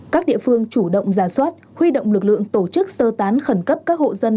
các địa phương chủ động giả soát huy động lực lượng tổ chức sơ tán khẩn cấp các hộ dân